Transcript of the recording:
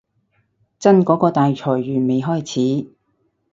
真嗰個大裁員未開始